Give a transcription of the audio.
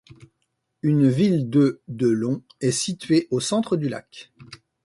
Une île de de long est située au centre du lac.